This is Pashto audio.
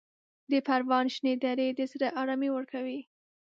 د پروان شنې درې د زړه ارامي ورکوي.